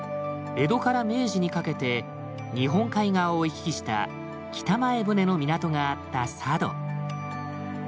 江戸から明治にかけて日本海側を行き来した北前船の港があった佐渡。